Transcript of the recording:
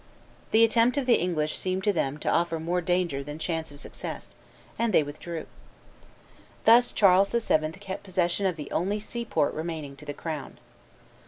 The attempt of the English seemed to them to offer more danger than chance of success; and they withdrew. Thus Charles VII. kept possession of the only seaport remaining to the crown.